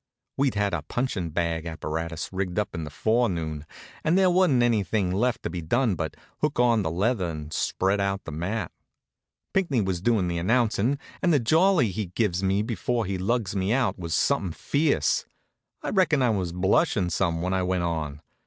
We'd had the punchin' bag apparatus rigged up in the forenoon, and there wasn't anything left to be done but hook on the leather and spread out the mat. Pinckney was doin' the announcin' and the jolly he gives me before he lugs me out was somethin' fierce. I reckon I was blushin' some when I went on.